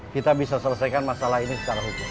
kita bisa selesaikan masalah ini secara hukum